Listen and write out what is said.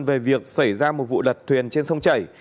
về việc xảy ra một vụ lật thuyền trên sông chảy